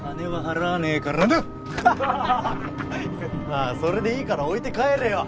まあそれでいいから置いて帰れよ。